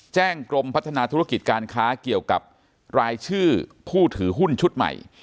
กรมพัฒนาธุรกิจการค้าเกี่ยวกับรายชื่อผู้ถือหุ้นชุดใหม่